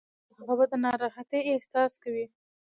هغه به د ناراحتۍ احساس کوي.